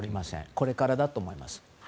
これからだと思います。